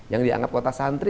yang dianggap kota santri